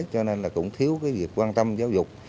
cho nên là cũng thiếu cái việc quan tâm giáo dục